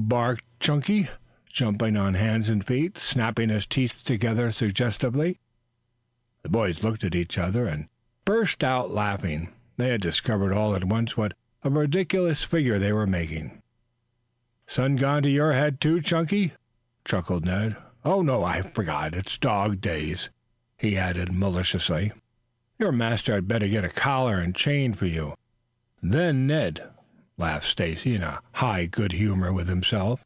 barked Chunky, jumping on hands and feet, snapping his teeth together suggestively. The boys looked at each other and burst out laughing. They had discovered all at once what a ridiculous figure they were making. "Sun gone to your head, too, Chunky?" chuckled Ned. "Oh, no, I forgot; it's dog days," he added maliciously. "Your master had better get a collar and chain for you, then, Ned," laughed Stacy, in high good humor with himself.